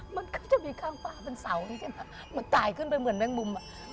มันก็จะมีข้างฟ้าเป็นเสาอย่างเงี้ยนะมันตายขึ้นไปเหมือนแม่งมุมอ่ะ